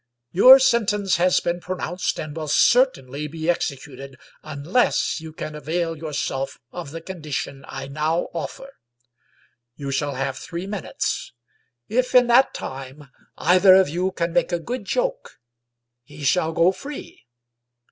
Your sentence has been pronounced, and will certainly be executed unless you can avail yourself of the condition I now offer. You shall have three minutes; if in that time 143 English Mystery St$ries either of you can make a good joke, he shall go free.